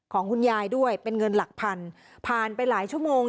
ของคุณยายด้วยเป็นเงินหลักพันผ่านไปหลายชั่วโมง